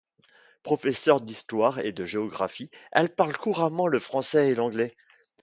Professeure d’histoire et de géographie, elle parle couramment le français et l’anglais.